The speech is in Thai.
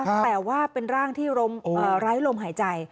แต่ว่าเป็นร่างที่ไร้ลมหายใจ